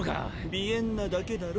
鼻炎なだけだろ。